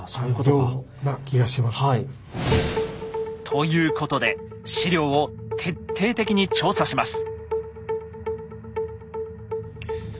ということで資料を徹底的に調査します。